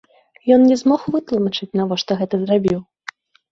Ён не змог вытлумачыць, навошта гэта зрабіў.